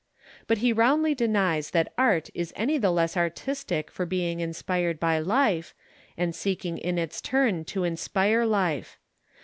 But he roundly denies that art is any the less artistic for being inspired by life, and seeking in its turn to inspire life.